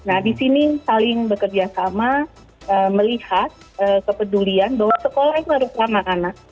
nah di sini saling bekerja sama melihat kepedulian bahwa sekolah yang merupakan anak